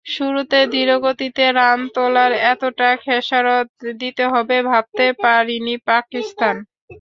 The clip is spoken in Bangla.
শুরুতে ধীর গতিতে রান তোলার এতটা খেসারত দিতে হবে, ভাবতে পারেনি পাকিস্তান।